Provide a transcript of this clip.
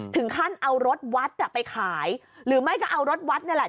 ถึงขั้นเอารถวัดไปขายหรือไม่ก็เอารถวัดนี่แหละ